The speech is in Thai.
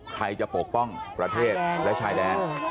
ใครจะปกป้องประเทศและชายแดน